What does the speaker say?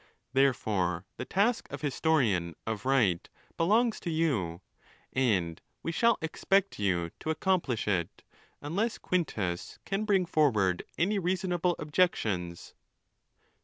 Therefore the task of historian of right belongs to you, and we shall expect you to accomplish it, unless Quintus can bring forward any reasonable objections.